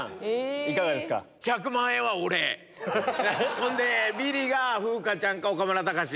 ほんでビリが風花ちゃんか岡村隆史。